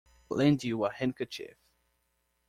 Lend you a handkerchief?